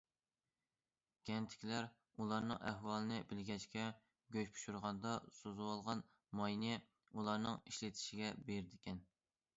كەنتتىكىلەر ئۇلارنىڭ ئەھۋالىنى بىلگەچكە، گۆش پىشۇرغاندا سۈزۈۋالغان ماينى ئۇلارنىڭ ئىشلىتىشىگە بېرىدىكەن.